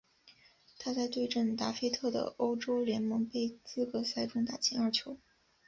他在对阵连菲特的欧洲联盟杯资格赛中打进二球。